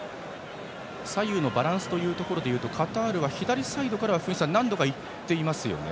左右のバランスでいうとカタールは左サイドからは何度か行っていますね。